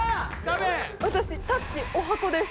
私『タッチ』おはこです。